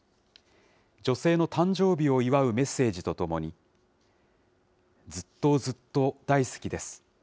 女性の誕生日を祝うメッセージとともに、ずっとずっと大好きです。